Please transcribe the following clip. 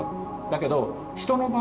だけど。